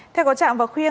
theo có trạng và khuyên